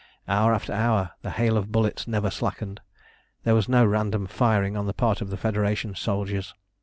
Hour after hour the hail of bullets never slackened. There was no random firing on the part of the Federation soldiers.